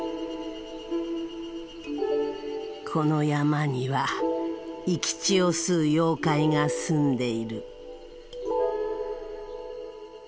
この山には生き血を吸う妖怪が棲んでいる。